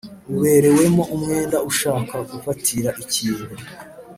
Uberewemo umwenda ushaka gufatira ikintu